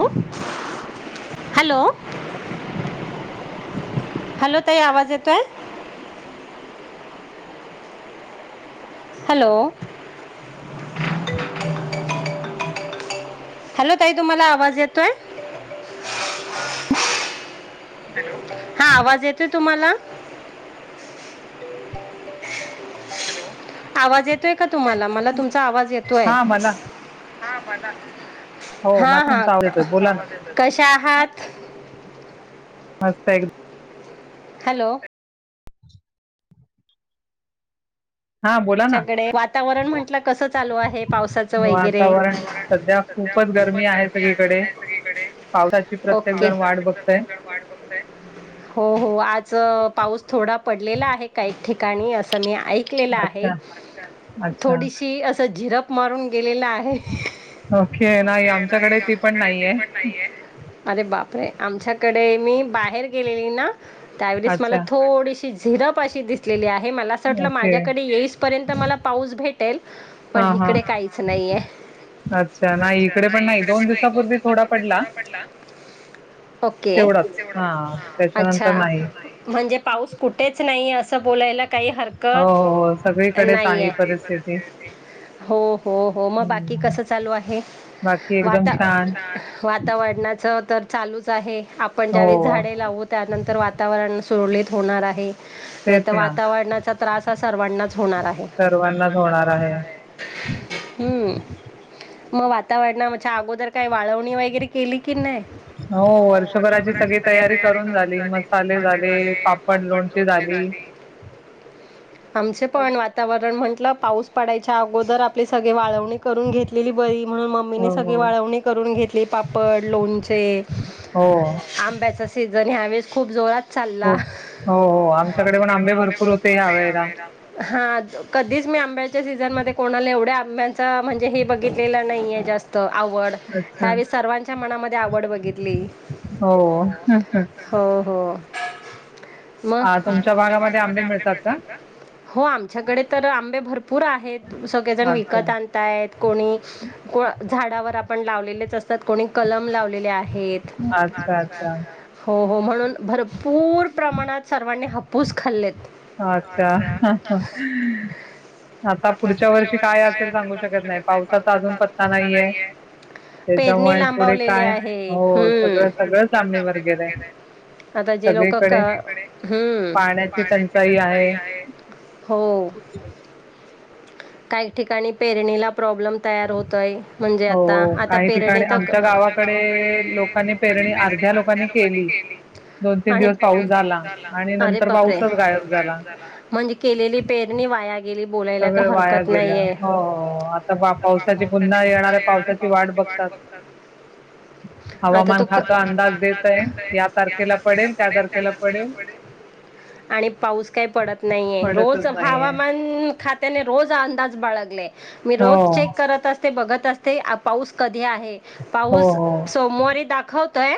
Hello hello hello ताई आवाज येतोय--? हॅलो. हॅलो ताई, तुम्हाला आवाज येतोय? हा. आवाज येतोय तुम्हाला? आवाज येतोय का तुम्हाला? मला तुमचा आवाज येतोय. हा मला हा बोला हो हा मला हा तुमचा आवाज येतोय बोला ना कशा आहात? मस्त एकदम. हॅलो. हा बोला ना च्याकडे वातावरण म्हंटलं कसं चालू आहे? पावसाचं वगैरे वातावरण खूपच गरमी आहे सगळीकडे. पावसाची प्रत्येक ओके. जण वाट बघतय प्रत्येकजण वाट बघतय. हो हो आज पाऊस थोडा पडलेला आहे काय ठिक काणी असं मी ऐकलेलं आहे अच्छा अच्छा थोडीशी अस झिरप मारून गेलेला आहे ओके नाही आमच्याकडे ती पण आमच्याकडे ते नाहीये पण नाहीये अरे बापरे आमच्याकडे मी बाहेर गेलेली ना त्यावेळेस मला अच्छा थोडीशी झिरप अशी दिसलेली आहे मला असं वाटलं ओके माझ्याकडे येईस पर्यंत मला पाऊस भेटेल हा पण हा इकडे काहीच नाहीये अच्छा नाही इकडे पण नाही दोन दिवसापूर्वी थोडा पडला ओके तेवढाच हा हा त्याच्यानंतर अच्छा नाही [inaudible] म्हणजे पाऊस कुठेच नाही अस हो हो सगळीकडेच आहे परिस्थिती हो हो हो मग बाकी हम्म. कसं चालू आहे वाता एकदम छान वातावरणाच तर चालूच आहे आपण ज्यावेळी हो झाडे लावू त्यानंतर वातावरण सुरळीत होणार आहे नाही तेच तर ना वातावरणाचा त्रास हा सर्वांना होणार आहे सर्वांनाच होणार आहे हम्म मग वातावरणा म च्या अगोदर काही वाळवणी वगैरे केली की नाही हो वर्षभराची सगळी तयारी करून झाली मसाले झाले, पापड लोणची झाली आमचे हो, पण वातावरण म्हंटलं पाऊस पडायच्या अगोदर आप - आपले सगळे वाळवणी करून घेतलेली बरी म्हणून मम्मीने सगळी हो, वाळवणी करून घेतली पापड लोणचे हो, आंब्याचा सीझन यावेळेस खूप जोरात चालला हो आमच्याकडे पण आंबे भरपूर होते या वेळेला हा कधीच मी आंब्याच्या सीझन मध्ये कोणाला एवढ्या आंब्याचा म्हणजे हे बघितलेलं नाहीये जास्त आवड अच्छा, ह्यावेळी सर्वांच्या मनामध्ये आवड बघितली हो. हो [unintelligible] हो हो मग हा तुमच्या भागामध्ये आंबे मिळतात का हो आमच्याकडे तर आंबे भरपूर आहेत सगळेजण विकत अच्छा, आणताय कोणी कोण अ झाडावर तआपण लावलेलेच असतात कोणी कलम लावलेली आहेत अच्छा अच्छा हो हो म्हणून भरपूर प्रमाणात सर्वांनी हापूस खाल्लेत अच्छा हंहहह आता पुढच्या वर्षी काय असेल सांगू शकत नाही पावसाचा अजून पत्ता नाहीए पेरणी त्याच्यामुळे पुढे लांबवलेली काय आहे हो हम्म सगळं सगळंच लांबनीवर गेलयं आहे आता जे लोक क सगळीकडे पाण्याचे टंच चाई आहे हो काही ठिकाणी पेरणीला प्रॉब्लम तयार होतोय म्हणजे आता हो, आता काही पेरणी ठिकाणी [unintelligible] आमच्या गावाकडे लोकांनी पेरणी अर्ध्या लोकांनी के केली आणि किती दिवस पाऊस झाला [unintelligible] अरे बापरे पाऊसचं गायब झाला म्हणजे केलेली पेरणी वाया गेली बोलायला का सगळं वाया हरकत गेलं. नाहीए हो आताबा पावसाची पुन्हा येणाऱ्या पावसाची वाट बघतात आता तो क हवामान खातं अंदाज देतय या तारखेला पडेल त्या तारखेला पडेल आणि पाऊस काय पडत - - नाहीये रोज पडतच नाहीये. हवामान खात्याने रोज अंदाज बाळगले मी हो, रोज चेक करत असते बघत असते आ पाऊस कध - धी आहे हो, पाऊस हो. होय सोमवारी दाखवतय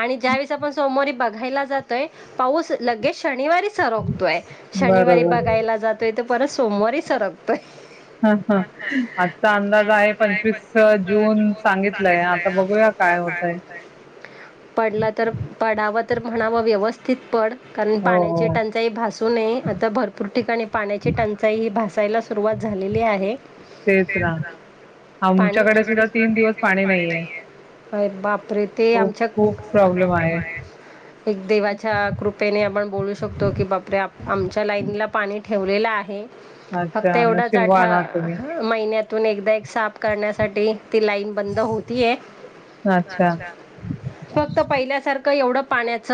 आणि ज्यावेेळेस आपण सोमवारी बघायला जातोय पाऊस लगेच शनिवारी सरखतोय शनिवारी बरोबर. बघायला जातोय तर परत सोमवारी सरकतोय ह ह आजचा अंदाज आहे पंचवीस जून सांगितलंय आता बघूया बघूया काय होतंय पडला तर हो, पडावा तर म्हणावा व्यवस चित पड कारण पाण्याची हो. टंचाई भासू नये आता भरपूर ठिकाणी पाण्याची टंचाई ही भसायला सुरुवात झालेली आहे तेच ना पाणी आमच्याकडे सुद्धा तीन दिवस पाणी नाहीये अर बाप प्रिती खूप आमच्या क खूप प्रॉब्लेम प्राॅब्लेम आहे. आहेत. एक देवाच्या कृपेने आपण बोलू शकतो की बापरे आप लाइनला पाणी ठेवलेलं आहे अच्छा फक्त एवढा साठा नशीबवान आहात तुम्ही. ह महीन्यात तून एकदा एक साफ करण्यासाठी ती लाईन बंद होतीए अच्छा फक्त पहिल्यासार क एवढं पाण्याच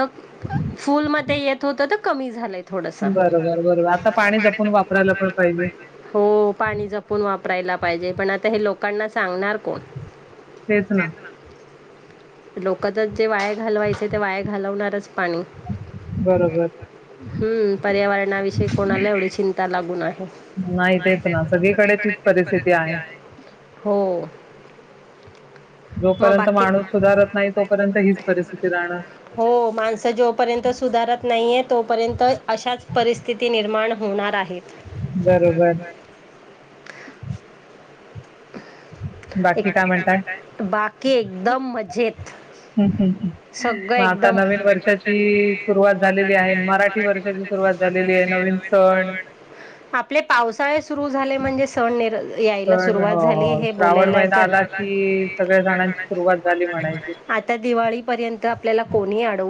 फुल मध्ये येत होत त कमी झालंय थोडस बरोबर बरोबर आता पाणी पणी जपून जपूण वापरायला वापराला पण पाहिजे, हो पाणी जपून वापरायला पाहिजे पण आता हे लोक कांना सांगणार कोण. हेच ना लोकांत ते वाया घालवायच ते वाया, घालवणारच पाणी बरोबर हूं पर्यावरणाविषयी कोणाला एवढी चिंता लागून आहे नाही तेच ना तेचना सगळीकडे तीच सगळीकडेतीच परिस्थिती आहे. जोपर्यंत माणूस सुधारत नाही तोपर्यंत हीच परिस्थिती रानार हो माणस जोपर्यंत सुधारत नाहीयेत तोपर्यंत अ अशाच परिस्थिती निर्माण होणार आहे बरोबर! एक बाकी काय म्हणताय, बाकी एकदम मजेत हं, हं, हं. सगळं एकदम, आता नवीन वर्षाची सुरुवात झालेली आहे मराठी वर्षाची सुरवात झालेली आहे नविन सण आपले पावसाळे सुरु झाले म्हणजे सण निर सण हो हो ब श्रावण महिना आला की सगळ्या सणांची सुरुवात झाली म्हणायची आ दिळी [unintelligible] पर्यंत आपल्याला कोणी आड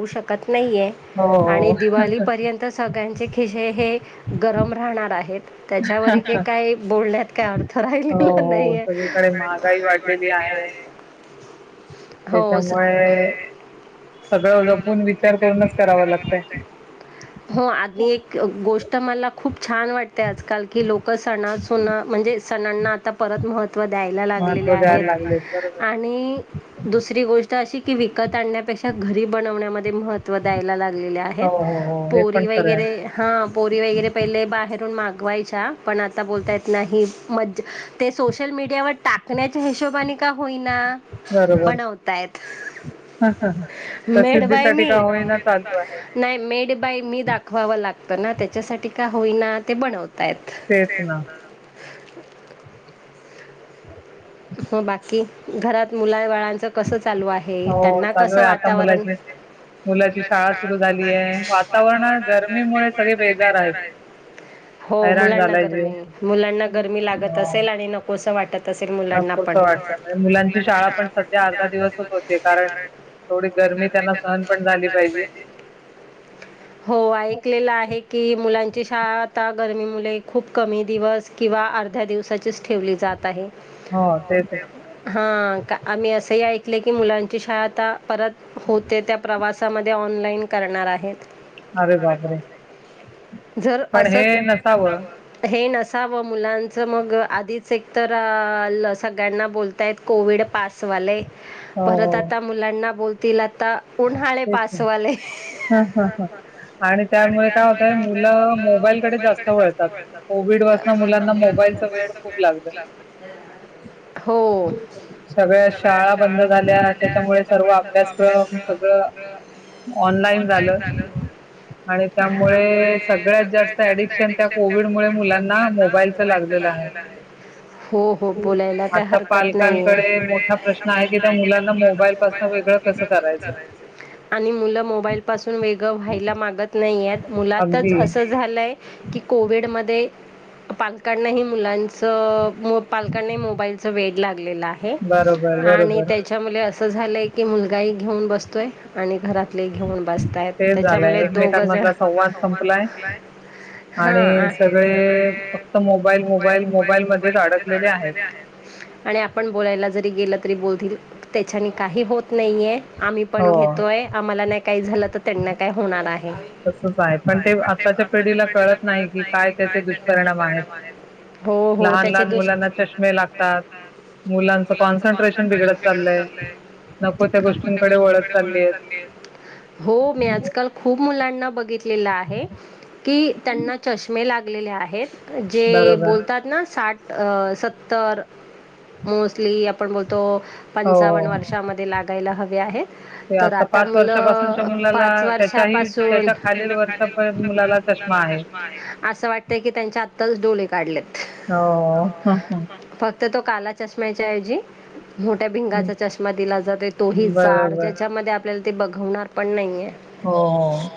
नाही आहे हो आणि हो दिवाली पर्यंत सगळ्यांचे खिसे हे गरम राहणार आहेत. त्याच्यावरी के का काय बोलण्यात काय अर्थ हो राहील हो नाहीे. सगळीकडे महागाई वाढलेली आहे होस. त्याच्यामुळे सगळं जपून विचार करूनच, करावा लागतंय. हो आदली एक गोष्ट मला खूप छान वाटते आजकाल की लोकं सणासुना नं म्हणजे सणांना आता परत महत्त तव द्यायला लागलेले महत्व द्यायला आहेत. लागलेत बरोबर आहे आणि दुसरी गोष्ट अशी की, विकत आणण्यापेक्षा घरी बनवण्यामध्ये महत्त्व दय लागलेले आहेत हो हो हो हा हे पण पोरी खरं आहे वगैरे, हा पोरी वगैरे पहिले बाहेरून माग ग्वायच्या पण आता बोलता येत नाही मज्ज ते सोशल मीडियावर टाकण्याच्या हिशोबाने का होईना बनवतायेत. हा हा! मेड बाय मी, आहे नाही मेड बाय मी, दाखवाव लागत ना त्याच्यासाठी का होयना ते बनताय तेच ना हो बाकी घरात मुला बाळांच कसच चालू आहे हो त्यांना चालू कसं आहे आता वातावरण मुलाची मुलाची शाळा सुरू झाली आहे, वातावरणात गरमीमुळे सगळे बेजार आहेत. हो हैराण मुलांना झालाय गरमी, जीव मुलांना गरमी, लागत हो असेल आणि नकोसं वाट नकोस वाटत मुलांची शाळा पण सध्या अर्धा दिवसच होती कारण एवढी गर्मी, त्यांना सहन पण झाली पाहिजे. हो ऐकलेल आहे की मुलां ची शाळा आता गरमीमुळे खूप कमी दिवस किंवा अर्ध्या दिवसाचीच ठेवली जात आहे हो तेच ना हा का आम्ही असंही ऐ ले की मुलांची शाळा आता परत होते त्या प्रवासामध्ये ऑनलाईन करणार आहेत अरे बापरे! जर पण हे असच नसावं हे नसावं मुलांच मग आधीच एक तर- अ अ ल सगळ्यांना बोलताय कोविड पासवाले. हो हो परत आता मुलांना बोलतील आता उन्हाळे पासवाले. ह ह ह आणि त्यामुळे काय होतय, मुलं मोबाईलकडे जास्त वळतात कोविड - पसंण मुलांना मोबाईलच वेड खूप लागलं. हम [inaudible] हो. सगळ्या शाळा बंद झाल्या त्याच्यामुळे सर्व अभ्यासक्रम सगळं ऑनलाईन झालं. आणि त्यामुळे सगळ्यात जास्त ऍडिक्शन त्या कोविड मु मुलांना मोबाईलच लागलं. [inaudible] हो बोलायला काय आता हरकत नाहीये. पालकांकडे मोठा प्रश्न आहे की त्या मुलांना मोबाईल पासून वेगळं कसं करायचं. आणि मुलं मोबाईलपासून वेगळं व्हायला मागत नाही. नाही मुलाच अगदी अस झालंय की कोविडमध्ये पालकांनाही मुलांच पालकांनाही मोबाईलच वेड लागल लागलेल आहे बरोबर आणि बरोबर त्याच्या मुळे असं झालंय की मुलगाही घेऊन बसतोय आणि घरात घेऊन बसताय तेच त्याच्यामुळे झालंय दोघ जण एकमेकांमधला संवाद संपलाय हां. आणि आ सगळे फक्त मोबाईल मोबाईल मोबाईल म आणि आपण बोलायला जरी गेल तरी बोलतील त्याच्याने काही होत नाहीये आम्ही पण हो घेतोय आम्हाला नाही काही झालं तर त्यांना काय होणार आहे. तसच आहे पण ते आत्ताच्या पिढीला कळत नाही की काय त्याचे दुष्परिणाम आहेत. हो हो. लहान त्याचे लहान दोष मुलांना चष्मे लागतात मुलांच कॉन्सन्ट्रेशन बिघडत चाललय. हो मी आजकाल खूप मुलांना बघितलेलं आहे की त्यांना चष्मे लागलेले आहेत. जे बरोबर बोलतात ना साठ अ सत्तर मोस्टली आपण बोलतो. हो पंचावन्न वर्षामध्ये लागायला हवे आहेत. ते तर आता पाच वर्षापासूनच्या मुलं मुलाला पाच वर्षा त्याच्याही पासून त्याच्या खालील वर्षा मुलाला चष्मा आहे असं वाटतय की त्यांच्या आत्ताच डोळेत [unintelligible] फक्त तो काला चष्म्याच्या ऐवजी- मोठ्या भिंगाचा चष्मा दिला जातो तोही जाड बरोबर ज्याच्यामध्ये आपल्याला ते बघवणार पण नाहीये. हो वो.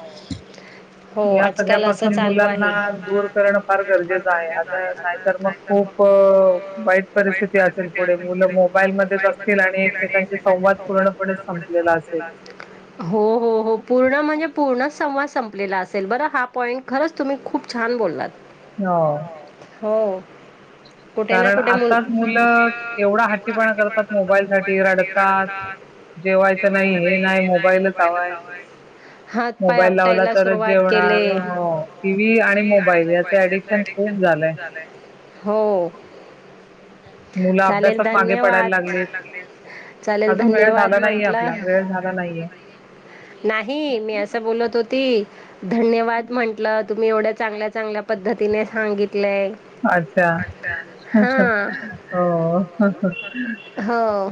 हो आजकाल असं चालू आहे. दूर करणं फार गरजेचं आहे आता नाहीतर मग अ, खूप वाईट परिस्थिती असेल, पुढे मुुलं मोबाईल मध्ये असतील आणि एकमेकांची संवा- हो हो हो पूर्ण म्हणजे पूर्ण संवाद संपलेला. बरहा पॉईंट खरच! तुम्ही खूप छान बोललात. ह हो कुठे ना कुठे आताच असतात मुलं एवढा हा हट्टीपणा करतात मोबाईलसाठी रडतात. जेवायचं नाही हे, नाही मोबाईलच हवाय. हातपाय मोबाईल लावला आपटायला तरच सुरुवात केले जेवणार टी व्ही आणि मोबाईल याच एडिशन खूप. झालंय. हो ओ. मुलं चालेल अभ्यासात मागे धन्यवाद. लागलेत. पडायला लागलेत. चालेल अजून वेळ धन्यवाद झाला नाहीये म्हटलं. आपला वेळ झाला नाहीये. नाही मी असं बोलत होती. धन्यवाद म्हंटलं, तुम्ही एवढ्या चांगल्या चांगल्या पद्धतीने सांगितलंय. अच्छा हा हो हो हो.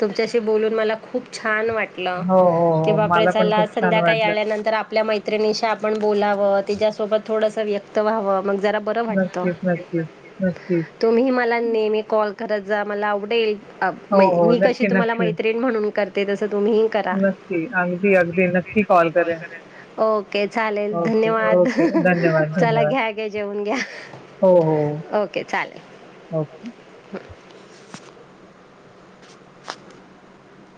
तुमच्याशी बोलून मला खूप छान वाट हो की हो. बापरे मला पण चला खूप छान संध्याकाळी वाटलं. आल्यानंतर आपल्या मैत्रिणीशी आपण बोलावत तिच्यासोबत थोडसं व्यक्त व्हावं मग जरा बरं वाटत नक्कीच नक्कीच नक्कीच तुम्ही मला नेहमी कॉल करत जा मला आवडेल अ हो म हो मी कशी नक्की तुम्हाला नक्की मैत्रिण म्हणून करते तसं तुम्ही करा नक्की अगदी अगदी नक्की कॉल करेन. ओके चालेल ओके, धन्यवाद ओके. धन्यवाद, चला धन्यवाद. घ्या ग जेवण घ हो हो ओके चालेल हो